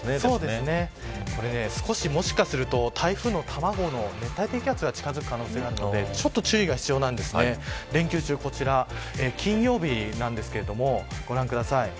これ、もしかすると台風の卵の熱帯低気圧が近づく可能性あるのでちょっと注意が必要なんですが連休中こちら、金曜日なんですけれども、ご覧ください。